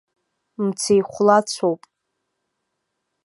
Мцеихәлацәоуп.